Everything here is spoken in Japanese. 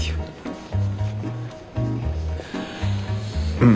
うん。